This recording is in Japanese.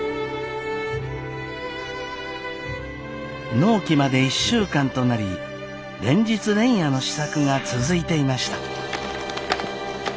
納期まで１週間となり連日連夜の試作が続いていました。